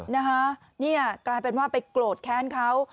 นะคะนี่กลายเป็นว่าไปโกรธแค้นเขา